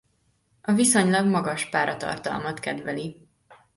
A viszonylag magas páratartalmat kedveli.